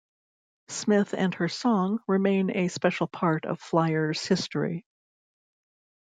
Smith and her song remain a special part of Flyers' history.